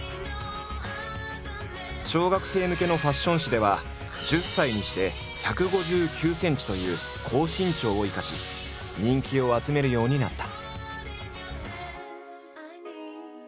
小学生向けのファッション誌では１０歳にして１５９ｃｍという高身長を生かし人気を集めるようになった。